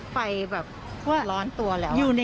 พี่อุเอกสารเอารถออกมา